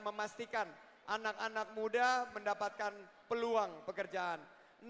memastikan anak anak muda mendapatkan peluang pekerjaan